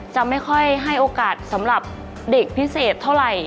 จะไม่ค่อยให้โอกาสสำหรับเด็กพิเศษเท่าไหร่